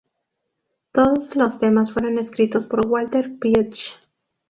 Todos los temas fueron escritos por Walter Pietsch.